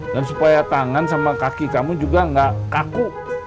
dan supaya tangan sama kaki kamu juga nggak kaku